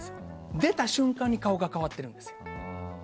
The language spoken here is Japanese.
出た瞬間に顔が変わってるんです。